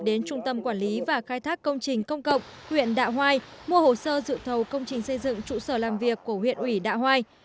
đến trung tâm quản lý và khai thác công trình công cộng huyện đạ hoai mua hồ sơ dự thầu công trình xây dựng trụ sở làm việc của huyện ủy đạ hoai